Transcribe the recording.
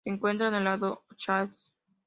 Se encuentra en el lago Chad.